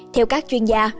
theo các chuyên gia